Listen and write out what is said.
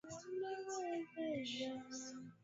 kususia uchaguzi uliofanyika novemba saba